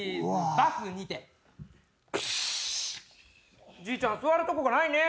バスにて」「プシューッ」「じいちゃん座るとこがないね」